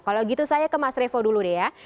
kalau gitu saya ke mas revo dulu deh ya